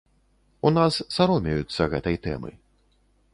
У нас саромеюцца гэтай тэмы.